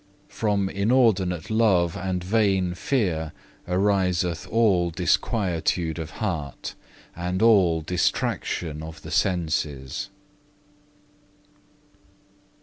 From inordinate love and vain fear ariseth all disquietude of heart, and all distraction of the senses."